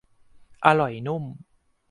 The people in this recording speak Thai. อร่อยนุ่ม